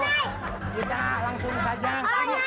oke baiklah hadirin langsung saja ini apa sih ah